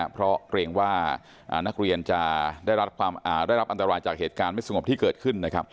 เพราะเกรงว่านักเรียนจะได้รับอันตรายจากเหตุการณ์ไม่สงบที่เกิดขึ้น